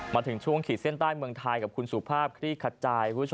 มาถึงช่วงขีดเส้นใต้เมืองไทยกับคุณสุภาพคลี่ขัดใจ